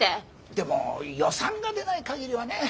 でも予算が出ない限りはね。